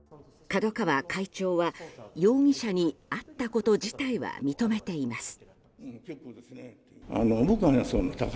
角川会長は、容疑者に会ったこと自体は認めています。